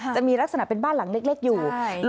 จะมีลักษณะเป็นบ้านหลังเล็กอยู่